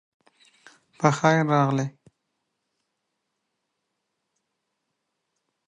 بېهوده په غزاله وو پسې ځغلم